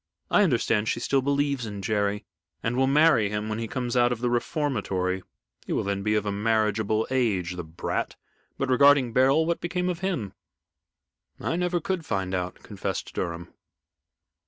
I understand she still believes in Jerry and will marry him when he comes out of the reformatory. He will then be of a marriageable age, the brat! But, regarding Beryl, what became of him?" "I never could find out," confessed Durham.